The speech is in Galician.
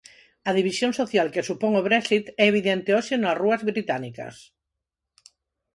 A división social que supón o Brexit é evidente hoxe nas rúas británicas.